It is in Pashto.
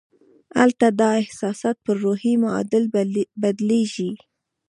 هلته دا احساسات پر روحي معادل بدلېږي